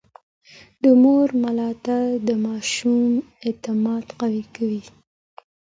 د مور ملاتړ د ماشوم اعتماد قوي کوي.